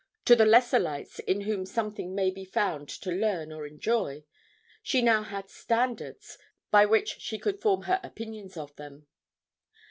to the lesser lights in whom something may be found to learn or enjoy, she now had standards by which she could form her opinions of them.